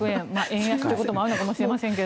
円安ということもあるかもしれませんが。